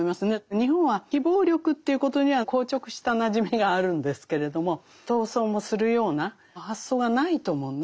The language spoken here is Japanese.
日本は非暴力ということには硬直したなじみがあるんですけれども闘争もするような発想がないと思うなかったと思うんです今までね。